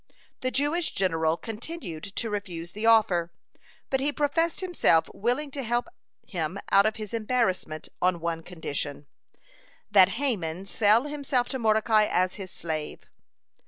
The Jewish general continued to refuse the offer. But he professed himself willing to help him out of his embarrassment on one condition, that Haman sell himself to Mordecai as his slave.